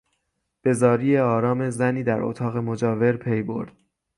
به زاری آرام زنی در اتاق مجاور پیبرد.